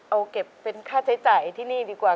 เอาเก็บเป็นค่าใช้จ่ายที่นี่ดีกว่า